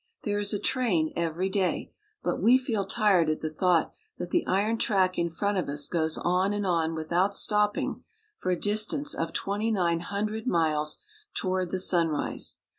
There is a train every day ; but we feel tired at the thought that the iron track in front of us goes on and on, without stopping, for a distance of twenty nine hundred miles toward the sun rise.